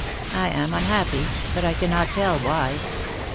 I am unhappy, but I cannot tell why.